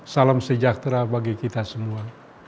salam sejahtera bagi kita semua